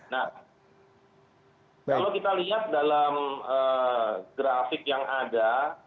nah kalau kita lihat dalam grafik yang ada